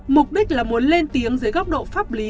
mục đích là muốn lên tiếng dưới góc độ pháp lý